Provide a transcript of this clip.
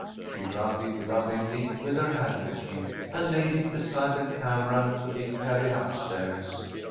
She rubbed it lovingly with her handkerchief, and laid it beside the camera to be carried up stairs.